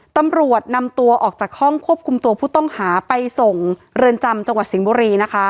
ตำรวจนำตัวออกจากห้องควบคุมตัวผู้ต้องหาไปส่งเรือนจำจังหวัดสิงห์บุรีนะคะ